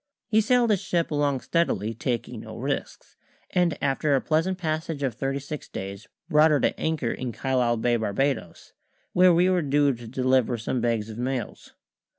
He sailed his ship along steadily, taking no risks, and after a pleasant passage of thirty six days brought her to anchor in Carlisle Bay, Barbadoes, where we were due to deliver some bags of mails.